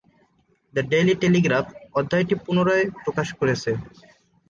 The Daily Telegraph, অধ্যায়টি পুনরায় প্রকাশ করেছে।